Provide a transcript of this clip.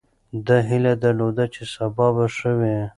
ده هیله درلوده چې سبا به ښه وي.